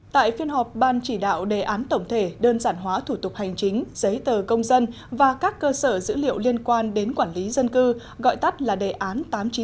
tại phiên họp ban chỉ đạo đề án tổng thể đơn giản hóa thủ tục hành chính giấy tờ công dân và các cơ sở dữ liệu liên quan đến quản lý dân cư gọi tắt là đề án tám trăm chín mươi sáu